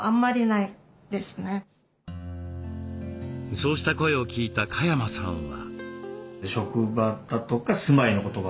そうした声を聞いた嘉山さんは。